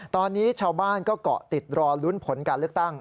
ตอนนี้ชาวบ้านก็เกาะติดรอลุ้นผลการเลือกตั้ง